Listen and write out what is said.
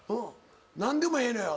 何でもええのよ。